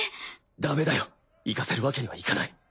ダメだよ行かせるわけにはいかない。